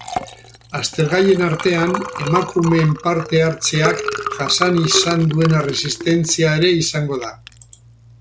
Aztergaien artean, emakumeen parte hartzeak jasan izan duen erresistentzia ere izango da.